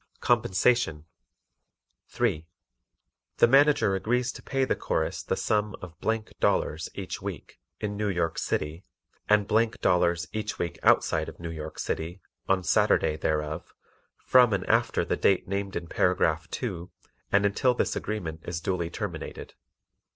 Compensation 3. The Manager agrees to pay the Chorus the sum of Dollars ($) each week, in New York City, and Dollars ($) each week outside of New York City, on Saturday thereof, from and after the date named in paragraph "2" and until this agreement is duly terminated.